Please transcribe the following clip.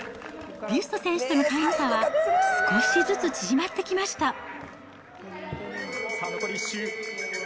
ビュスト選手とのタイム差は、少しずつ縮まってきました。